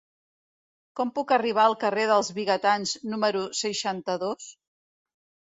Com puc arribar al carrer dels Vigatans número seixanta-dos?